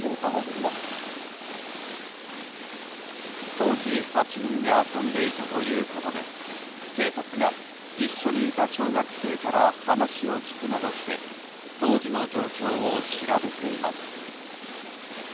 当時８人で遊んでいたということで警察が一緒にいた小学生から話を聞くなどして当時の状況を調べています。